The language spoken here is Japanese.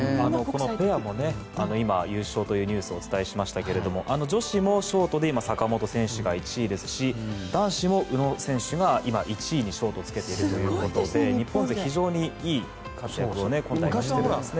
ペアも今、優勝というニュースをお伝えしましたが女子もショートで今、坂本選手が１位ですし男子も宇野選手が今、１位にショートはつけているということで日本勢、非常にいい活躍を今大会していますね。